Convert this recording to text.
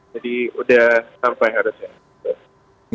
jadi sudah sampai harusnya